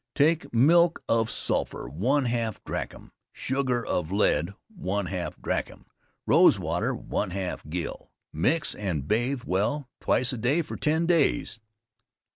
Take milk of sulphur 1/2 drachm, sugar of lead 1/2 drachm, rose water 1/2 gill, mix and bathe well twice a day for ten days.